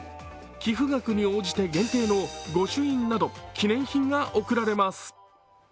寄付額に応じて限定の御朱印など記念品が贈られます。